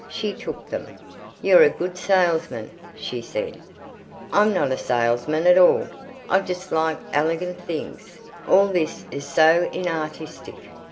She took them. "You're a good salesman," she said. "I'm not a salesman at all! I just like elegant things. All this is so inartistic."